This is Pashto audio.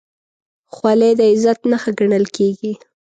خولۍ د عزت نښه ګڼل کېږي.